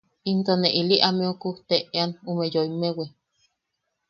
Into ne ili ameu kujte’ean ume yoimmewi.